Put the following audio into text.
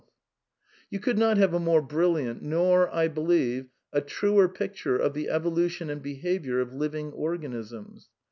\ You could not have a more brilliant, nor, I believe, a \ truer picture of the evolution and behaviour of living or i ganisms.